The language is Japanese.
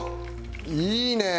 いいね！